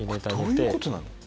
これどういうことなの？